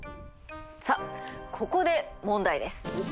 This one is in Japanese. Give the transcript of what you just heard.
さあここで問題です！